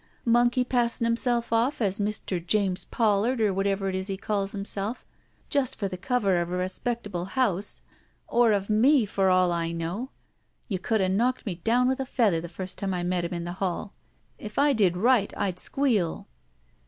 Monkey passing himself off as Mr. James Pollard, or whatever it is he calls himself, just for the cover of a respectable house — or of me, for all I know. You could have knocked me down with a feather the first time I met him in the hall. If I did right I'd squeal."